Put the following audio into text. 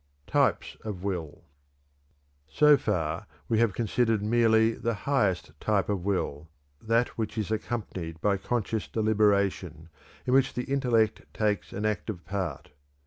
TYPES OF WILL. So far we have considered merely the highest type of will that which is accompanied by conscious deliberation, in which the intellect takes an active part.